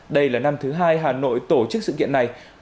đây là năm thứ hai hà nội tổ chức sự kiện này